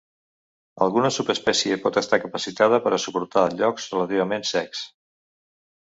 Alguna subespècie pot estar capacitada per a suportar llocs relativament secs.